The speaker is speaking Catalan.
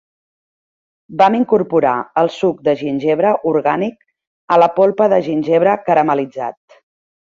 Vam incorporar el suc de gingebre orgànic a la polpa de gingebre caramel·litzat.